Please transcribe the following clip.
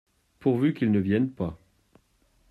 Pourvu qu’il ne vienne pas !